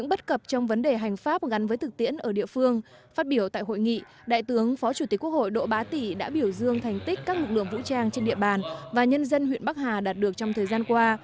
bất cập trong vấn đề hành pháp gắn với thực tiễn ở địa phương phát biểu tại hội nghị đại tướng phó chủ tịch quốc hội đỗ bá tị đã biểu dương thành tích các lực lượng vũ trang trên địa bàn và nhân dân huyện bắc hà đạt được trong thời gian qua